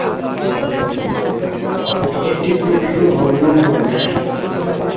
এটি একটি প্রকৃত ভগ্নম্বরশ।